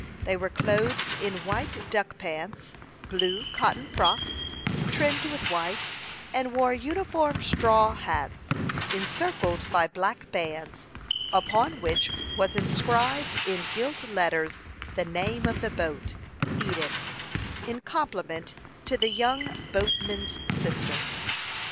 They were clothed in white duck pants, blue cotton frocks, trimmed with white, and wore uniform straw hats, encircled by black bands, upon which was inscribed, in gilt letters, the name of the boat, "Edith," in compliment to the young boatman's sister.